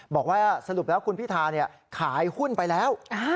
บอกว่าสรุปแล้วคุณพิธาขายหุ้นไปแล้ว